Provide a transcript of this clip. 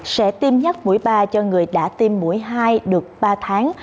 sẽ tiêm nhắc mũi ba cho người đã tiêm mũi hai được ba tháng